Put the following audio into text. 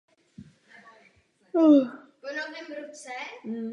Nebyl zde žádný pokus vytvořit perspektivu.